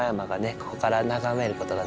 ここから眺めることができます。